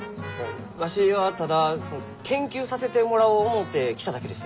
わしはただ研究させてもらおう思うて来ただけです。